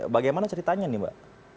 bagaimana ceritanya nih mbak